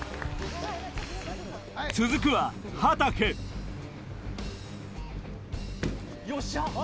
続くははたけよっしゃ！